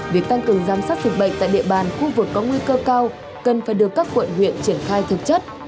việc tăng cường giám sát dịch bệnh tại địa bàn khu vực có nguy cơ cao cần phải được các quận huyện triển khai thực chất